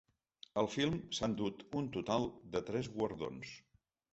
El film s’ha endut un total de tres guardons.